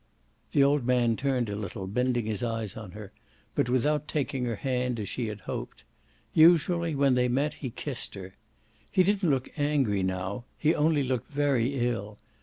The old man turned a little, bending his eyes on her, but without taking her hand as she had hoped. Usually when they met he kissed her. He didn't look angry now, he only looked very ill.